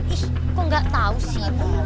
ih kok enggak tahu sih bu